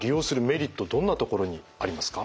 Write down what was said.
どんなところにありますか？